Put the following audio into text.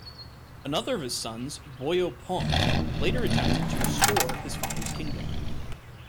Another of his sons, Buyeo Pung, later attempted to restore his father's kingdom.